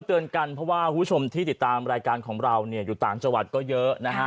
เตือนกันเพราะว่าคุณผู้ชมที่ติดตามรายการของเราเนี่ยอยู่ต่างจังหวัดก็เยอะนะฮะ